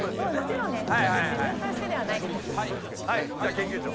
研究長。